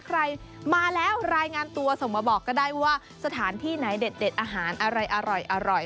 ใครมาแล้วรายงานตัวส่งมาบอกก็ได้ว่าสถานที่ไหนเด็ดอาหารอะไรอร่อย